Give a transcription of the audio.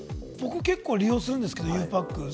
僕、結構利用するんですけれどもゆうパック。